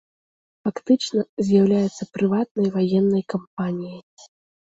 Фактычна, з'яўляецца прыватнай ваеннай кампаніяй.